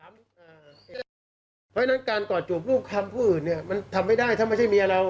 เพราะฉะนั้นการกอดจูบลูกคำผู้อื่นเนี่ยมันทำไม่ได้ถ้าไม่ใช่เมียเรา